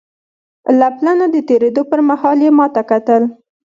له پله نه د تېرېدو پر مهال یې ما ته کتل.